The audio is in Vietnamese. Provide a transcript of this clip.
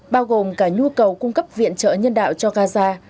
bao gồm cả nhu cầu cung cấp viện trợ nhân đạo cho gaza